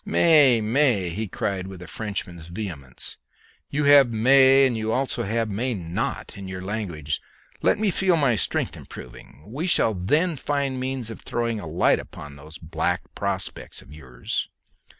"May, may!" he cried with a Frenchman's vehemence. "You have may and you also have may not in your language. Let me feel my strength improving; we shall then find means of throwing a light upon these black prospects of yours."